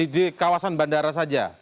di kawasan bandara saja